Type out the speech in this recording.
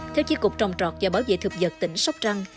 theo chiếc cục trồng trọt và bảo vệ thực vật tỉnh sóc trăng